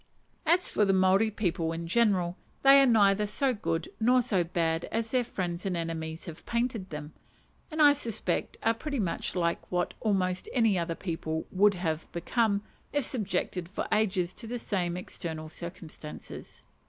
As for the Maori people in general, they are neither so good nor so bad as their friends and enemies have painted them, and I suspect are pretty much like what almost any other people would have become, if subjected for ages to the same external circumstances.